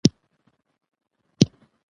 د کور زنګ لږ ورو و.